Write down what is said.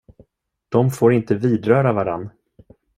De får inte vidröra varann.